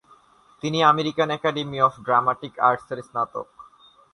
তিনি American Academy of Dramatic আর্টসের স্নাতক।